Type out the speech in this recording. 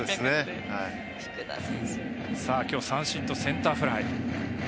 きょう三振とセンターフライ。